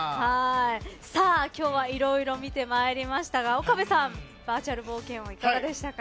今日は色々見てまいりましたが岡部さん、バーチャル冒険王はいかがでしたか？